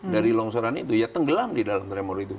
dari longsoran itu ya tenggelam di dalam tremor itu